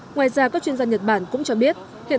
ngoài ra các chuyên gia nhật bản cũng cho biết hiện